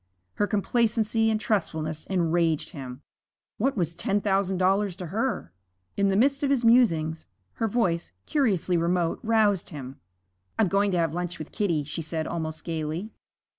Her complacency and trustfulness enraged him. What was ten thousand dollars to her? In the midst of his musings, her voice, curiously remote, roused him. 'I'm going to have lunch with Kitty,' she said, almost gayly.